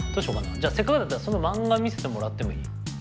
じゃあせっかくだからそのマンガ見せてもらってもいい？